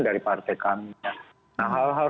dari partai kami nah hal hal